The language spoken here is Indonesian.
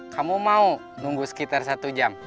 kamu mau nunggu sekitar satu jam